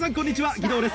義堂です。